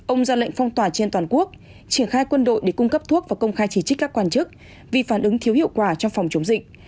ông ra lệnh phong tỏa trên toàn quốc triển khai quân đội để cung cấp thuốc và công khai chỉ trích các quan chức vì phản ứng thiếu hiệu quả trong phòng chống dịch